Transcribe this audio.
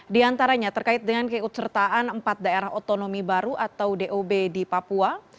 di antaranya terkait dengan keikutsertaan empat daerah otonomi baru atau dob di papua